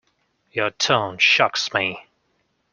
Your tone shocks me.